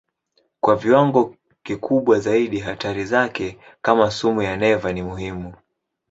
Kwa viwango kikubwa zaidi hatari zake kama sumu ya neva ni muhimu.